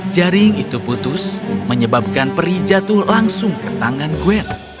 jaring itu putus menyebabkan peri jatuh langsung ke tangan gwen